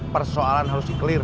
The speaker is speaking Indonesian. persoalan harus iklir